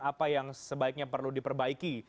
apa yang sebaiknya perlu diperbaiki